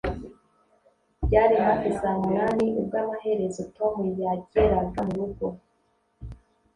byari hafi saa munani ubwo amaherezo tom yageraga murugo